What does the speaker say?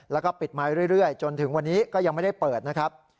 แล้วก็ปิดมาเรื่อยจนถึงวันนี้ก็ยังไม่ได้เปิดนะครับ